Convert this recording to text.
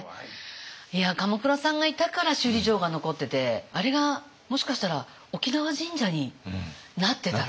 鎌倉さんがいたから首里城が残っててあれがもしかしたら沖縄神社になってたら。